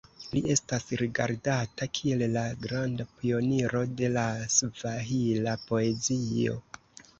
Li estas rigardata kiel la granda pioniro de la svahila poezio.